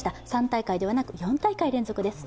３大会ではなく４大会連続です。